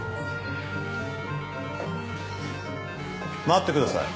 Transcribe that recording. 待ってください。